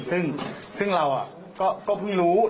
ซึ่งเราก็เพิ่งรู้